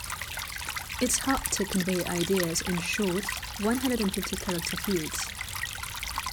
It's hard to convey ideas in short one hundred and fifty character fields.